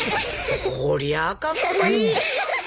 こりゃあかっこいい！